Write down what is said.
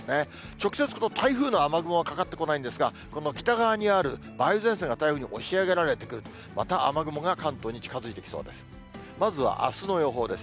直接、この台風の雨雲はかかってこないんですが、この北側にある梅雨前線が台風に押し上げられてくる、また雨雲が関東に近づいてきそうです。